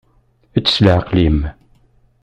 Ečč s leɛqel-im.